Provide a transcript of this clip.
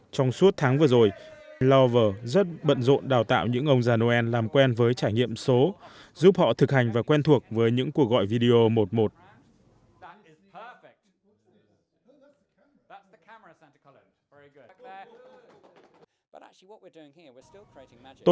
trong suốt tháng vừa rồi lover rất bận rộn đào tạo những ông già noel làm quen với trải nghiệm số giúp họ thực hành và quen thuộc với những cuộc gọi video một một